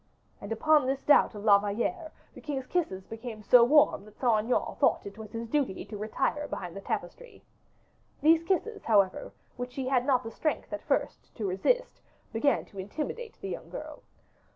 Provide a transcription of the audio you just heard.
And upon this doubt of La Valliere, the king's kisses became so warm that Saint Aignan thought it was his duty to retire behind the tapestry. These kisses, however, which she had not the strength at first to resist, began to intimidate the young girl.